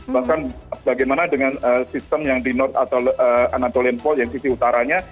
bahkan bagaimana dengan sistem yang di north anatolian fault yang sisi utaranya